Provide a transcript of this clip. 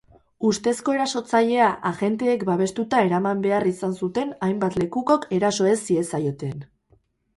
Ustezko erasotzailea agenteek babestuta eraman behar izan zuten hainbat lekukok eraso ez ziezaioten.